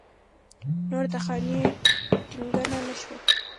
نو درخانۍ ټينګه نۀ شوه